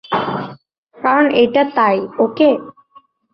কারণ এটা তাই, ওকে?